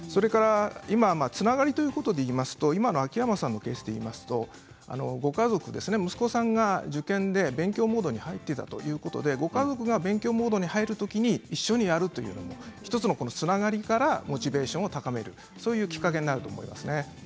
それから今つながりということでいうと秋山さんのケースでいうとご家族、息子さんが受験で勉強モードに入っていたということでご家族が勉強モードに入る時に一緒にやるという１つのつながりからモチベーションを高めるというきっかけになると思います。